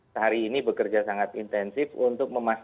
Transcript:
sehari ini bekerja sangat intensif untuk memastikan